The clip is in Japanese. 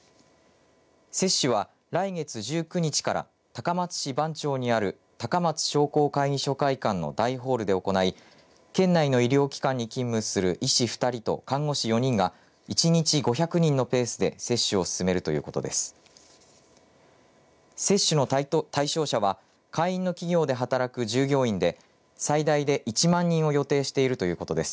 接種は来月１９日から高松市番町にある高松商工会議所会館の大ホールで行い、県内の医療機関に勤務する医師２人と看護師４人が１日５００人のペースで接種を進めるということです。